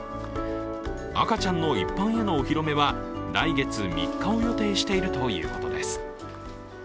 赤ちゃんの一般へのお披露目は来月３日を予定しているということです。